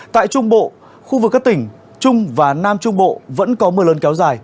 tại trung bộ khu vực các tỉnh trung và nam trung bộ vẫn có mưa lớn kéo dài